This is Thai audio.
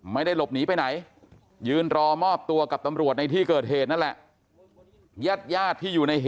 ไม่ได้หลบหนีไปไหน